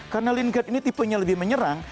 karena lingard ini tipenya lebih menyerang